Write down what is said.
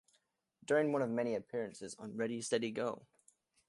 During one of many appearances on Ready Steady Go!